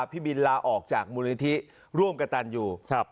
พี่บินลาออกจากมูลนิธิร่วมกระตันอยู่